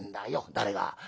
「誰が？